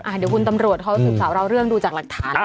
เดี๋ยวคุณตำรวจเขาสืบสาวเราเรื่องดูจากหลักฐาน